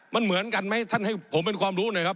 มันเหมือนกันไหมท่านให้ผมเป็นความรู้หน่อยครับ